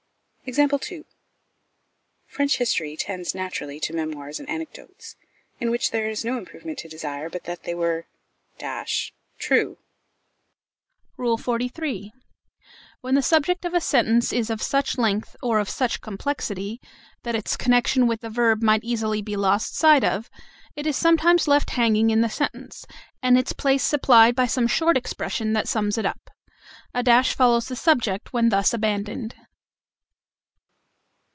French history tends naturally to memoirs and anecdotes, in which there is no improvement to desire but that they were true. XLIII. When the subject of a sentence is of such length, or of such complexity, that its connexion with the verb might easily be lost sight of, it is sometimes left hanging in the sentence, and its place supplied by some short expression that sums it up. A dash follows the subject when thus abandoned.